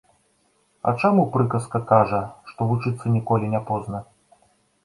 А чаму прыказка кажа, што вучыцца ніколі не позна.